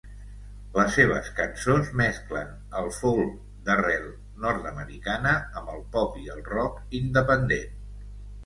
Les seves cançons mesclen el folk d'arrel nord-americana amb el pop i el rock independent.